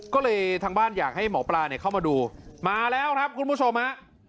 ก็เลยทางบ้านอยากให้หมอปลาเนี่ยเข้ามาดูมาแล้วครับคุณผู้ชมฮะ